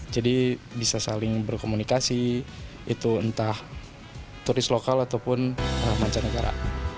jadi bisa saling berkomunikasi entah turis lokal ataupun mancanegara